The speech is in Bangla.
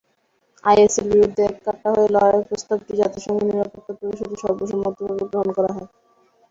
আইএসের বিরুদ্ধে এককাট্টা হয়ে লড়াইয়ের প্রস্তাবটি জাতিসংঘ নিরাপত্তা পরিষদে সর্বসম্মতভাবে গ্রহণ করা হয়।